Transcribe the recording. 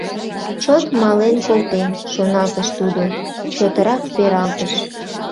«Чот мален колтен», — шоналтыш тудо, чотырак пералтыш.